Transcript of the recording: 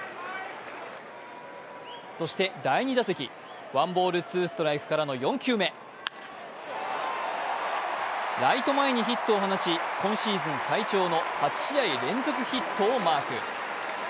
そして第２打席、ワンボール・ツーストライクからの４球目、ライト前にヒットを放ち今シーズン最長の８試合連続ヒットをマーク。